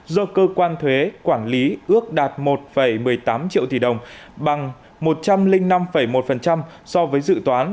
do cơ quan thuế quản lý ước đạt một một mươi tám triệu tỷ đồng bằng một trăm linh năm một so với dự toán